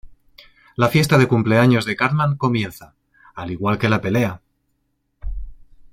La fiesta de cumpleaños de Cartman comienza, al igual que la pelea.